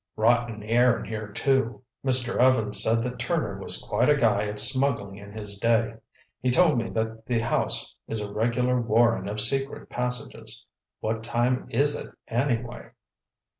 Rotten air in here too. Mr. Evans said that Turner was quite a guy at smuggling in his day. He told me that the house is a regular warren of secret passages. What time is it, anyway?"